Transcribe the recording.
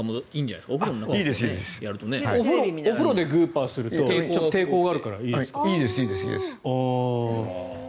お風呂でグーパーすると抵抗があるからいいですよね。